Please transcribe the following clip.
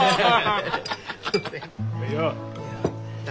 はいよ。